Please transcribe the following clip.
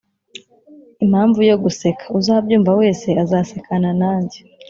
impamvu yo guseka Uzabyumva wese azasekana nanjye